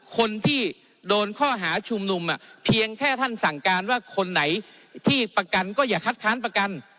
คนที่โดนข้อหาชุมนุมเพียงแค่ท่านสั่งการว่าคนไหนที่ประกันก็อย่าคัดค้านประกัน